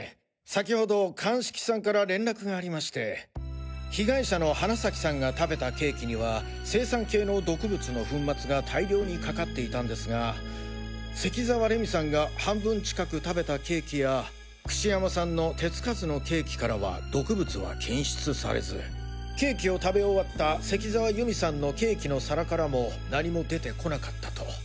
先ほど鑑識さんから連絡がありまして被害者の花崎さんが食べたケーキには青酸系の毒物の粉末が大量にかかっていたんですが関澤礼美さんが半分近く食べたケーキや櫛山さんの手つかずのケーキからは毒物は検出されずケーキを食べ終わった関澤祐美さんのケーキの皿からも何も出てこなかったと。